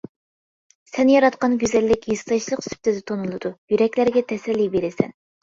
سەن ياراتقان گۈزەللىك ھېسداشلىق سۈپىتىدە تونۇلىدۇ، يۈرەكلەرگە تەسەللى بېرىسەن.